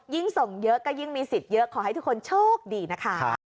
ส่งเยอะก็ยิ่งมีสิทธิ์เยอะขอให้ทุกคนโชคดีนะคะ